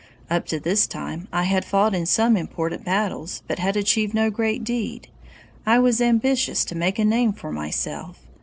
"Up to this time I had fought in some important battles, but had achieved no great deed. I was ambitious to make a name for myself.